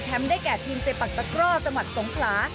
ได้แก่ทีมเซปักตะกร่อจังหวัดสงขลา